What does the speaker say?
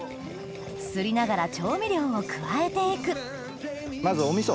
すりながら調味料を加えて行くまずお味噌。